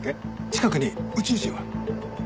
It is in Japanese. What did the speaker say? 近くに宇宙人は？